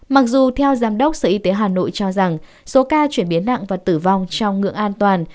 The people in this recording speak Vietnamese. mặc dù theo giám đốc sở y tế hà nội cho rằng số ca chuyển biến nặng và tử vong trong ngưỡng an toàn